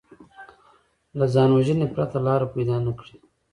له ځانوژنې پرته لاره پیدا نه کړي